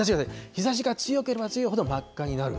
日ざしが強ければ強いほど真っ赤になる。